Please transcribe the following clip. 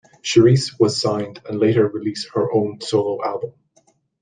Cherise was signed and later release her own solo album.